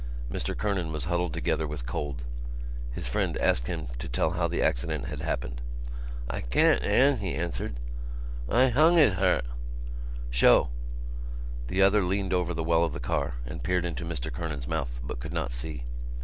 Mr Kernan was huddled together with cold. His friend asked him to tell how the accident had happened. "I 'an't, 'an," he answered, "'y 'ongue is hurt." "Show." The other leaned over the well of the car and peered into Mr Kernan's mouth but he could not see.